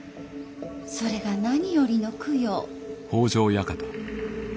それが何よりの供養。